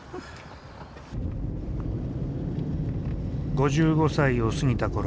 ５５歳を過ぎたころ